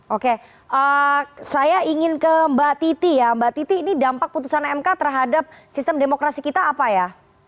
oke saya ingin ke mbak titi ya mbak titi ini dampak putusan mk terhadap sistem demokrasi kita apa ya